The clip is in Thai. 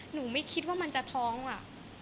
หนูไม่คิดว่ามันจะท้องอ่ะ